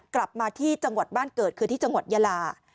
กลับมาที่จังหวัดบ้านเกิดคือที่จังหวัดยาลา